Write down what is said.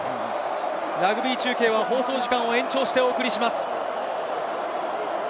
ラグビー中継は放送時間を延長してお送りします。